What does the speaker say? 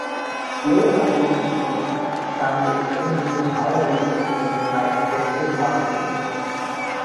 Low value customers can be turned into high value customers by effective marketing.